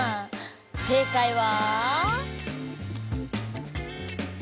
正解は。